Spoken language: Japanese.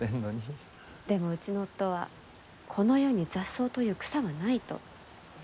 でもうちの夫は「この世に雑草という草はない」と。